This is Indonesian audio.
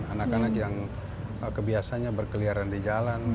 anak anak yang kebiasanya berkeliaran di jalan